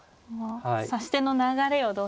指し手の流れをどうしても。